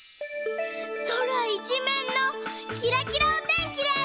そらいちめんのキラキラおてんきです！